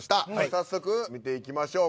早速見ていきましょう。